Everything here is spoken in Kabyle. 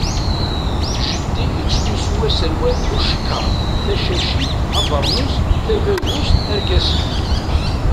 Jeddi yettlusu aserwal bucekkaṛ, tacacit, abernus, tabagust, arkasen.